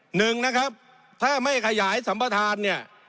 หนึ่งนะครับถ้าไม่ขยายสัมปทานเนี่ย